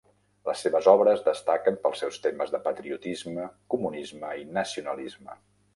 Les seves obres destaquen pels seus temes de patriotisme, comunisme i nacionalisme.